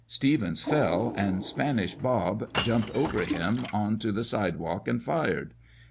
Stevens fell, and Spanish Bob jumped over him on to the side walk and fired.